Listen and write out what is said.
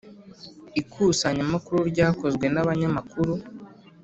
Ikusanyamakuru ryakozwe n abanyamkuru.